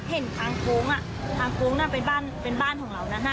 เห็นทางโค้งน่ะทางโค้งน่ะเป็นบ้านของเราน่ะ